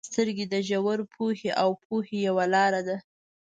• سترګې د ژور پوهې او پوهې یوه لاره ده.